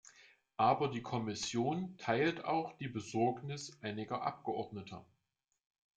Aber die Kommission teilt auch die Besorgnis einiger Abgeordneter.